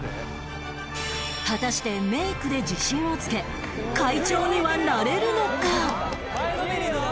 果たしてメイクで自信をつけ会長にはなれるのか？